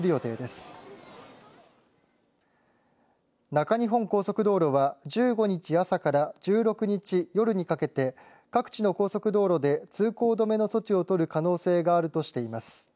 中日本高速道路は１５日朝から１６日夜にかけて各地の高速道路で通行止めの措置を取る可能性があるとしています。